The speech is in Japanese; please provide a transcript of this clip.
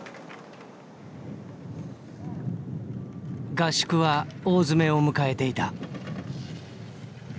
合宿は大詰めを迎えていた。